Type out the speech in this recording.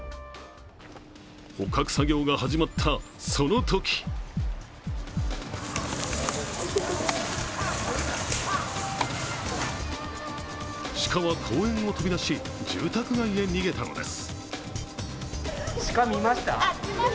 捕獲作業が始まったそのときシカは公園を飛び出し、住宅街へ逃げたのです。